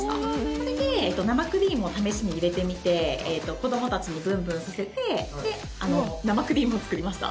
これで生クリームを試しに入れてみて子どもたちにブンブンさせて生クリームを作りました。